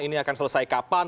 ini akan selesai kapan